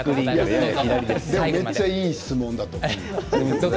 めっちゃいい質問だと思う。